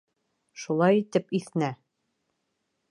Шулай итеп, иҫнә!